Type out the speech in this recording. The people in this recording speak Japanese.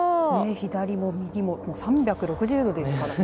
左も右も３６０度ですからね。